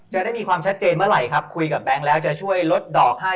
จะได้มีความชัดเจนเมื่อไหร่ครับคุยกับแบงค์แล้วจะช่วยลดดอกให้